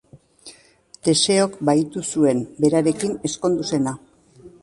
Teseok bahitu zuen, berarekin ezkondu zena.